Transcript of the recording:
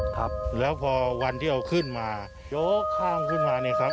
ครับแล้วพอวันที่เอาขึ้นมาโยกข้างขึ้นมาเนี่ยครับ